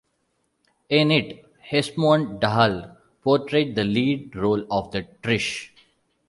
In it Hesmondhalgh portrayed the lead role of Trish.